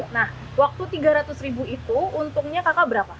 nah waktu rp tiga ratus itu untungnya kakak berhasil